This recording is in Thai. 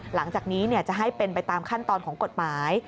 หลังจากนี้จะให้เป็นไปตามขั้นตอนของกฎหมาย